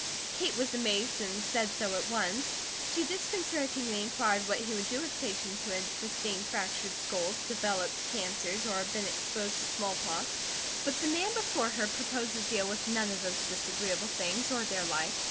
Kate was amazed and said so at once. She disconcertingly inquired what he would do with patients who had sustained fractured skulls, developed cancers, or been exposed to smallpox. But the man before her proposed to deal with none of those disagreeable things, or their like.